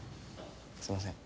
すみません。